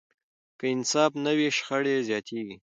که انصاف نه وي، شخړې زیاتېږي.